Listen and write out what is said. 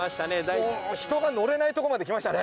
もう人が乗れないとこまできましたね。